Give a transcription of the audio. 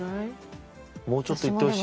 もうちょっといってほしい？